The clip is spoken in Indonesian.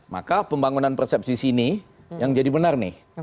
maka pembangunan persepsi sini yang jadi benar nih